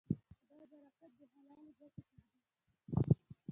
خدای برکت د حلالې ګټې کې ږدي.